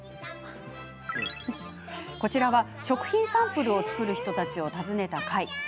こちらは、食品サンプルを作る人たちを訪ねた回。